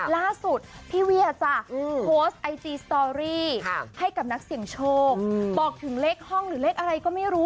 ล่าสุดพี่เวียจ้ะโพสต์ไอจีสตอรี่ให้กับนักเสี่ยงโชคบอกถึงเลขห้องหรือเลขอะไรก็ไม่รู้